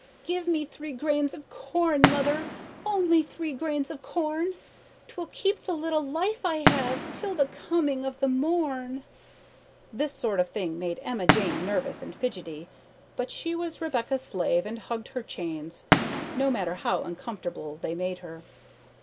"'Give me three grains of corn, mother, Only three grains of corn, 'T will keep the little life I have Till the coming of the morn.'" This sort of thing made Emma Jane nervous and fidgety, but she was Rebecca's slave and hugged her chains, no matter how uncomfortable they made her.